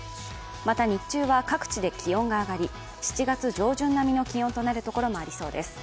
また、日中は各地で気温が上がり、７月上旬並みの気温となるところもありそうです。